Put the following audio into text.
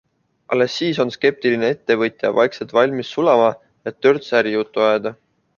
Alles siis on skeptiline ettevõtja vaikselt valmis sulama, et törts ärijuttu ajada.